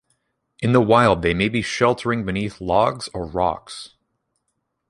In the wild they may be sheltering beneath logs or rocks.